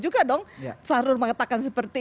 juga dong sahrul mengatakan seperti